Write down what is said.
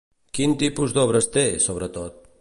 Quin tipus d'obres té, sobretot?